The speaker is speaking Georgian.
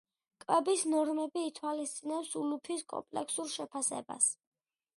კვების ნორმები ითვალისწინებს ულუფის კომპლექსურ შეფასებას.